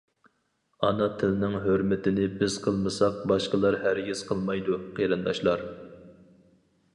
ئانا تىلنىڭ ھۆرمىتىنى بىز قىلمىساق باشقىلار ھەرگىز قىلمايدۇ قېرىنداشلار!